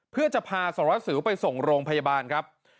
เพื่อจะพาสารวัสสิวไปส่งโรงพยาบาลครับ